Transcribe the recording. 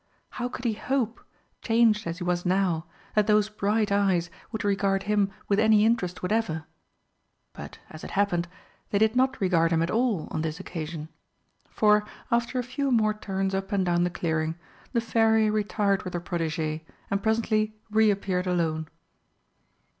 How could he hope, changed as he was now, that those bright eyes would regard him with any interest whatever? But, as it happened, they did not regard him at all on this occasion, for, after a few more turns up and down the clearing, the Fairy retired with her protégée, and presently re appeared alone.